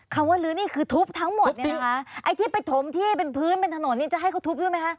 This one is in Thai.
คำว่าลื้อนี่คือทุบทั้งหมดเนี่ยนะคะไอ้ที่ไปถมที่เป็นพื้นเป็นถนนนี่จะให้เขาทุบด้วยไหมคะ